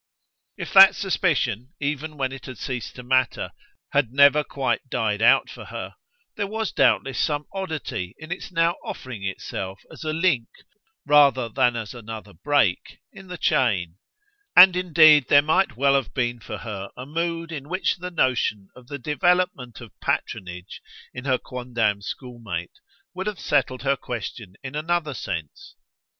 If that suspicion, even when it had ceased to matter, had never quite died out for her, there was doubtless some oddity in its now offering itself as a link, rather than as another break, in the chain; and indeed there might well have been for her a mood in which the notion of the development of patronage in her quondam schoolmate would have settled her question in another sense.